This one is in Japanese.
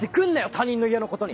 他人の家のことに。